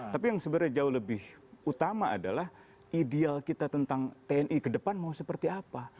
tapi yang sebenarnya jauh lebih utama adalah ideal kita tentang tni ke depan mau seperti apa